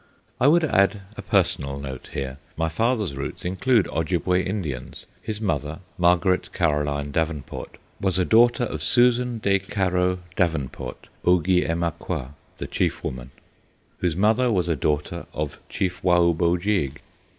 I would add a personal note here. My father's roots include Ojibway Indians: his mother, Margaret Caroline Davenport, was a daughter of Susan des Carreaux, O gee em a qua (The Chief Woman), Davenport whose mother was a daughter of Chief Waub o jeeg.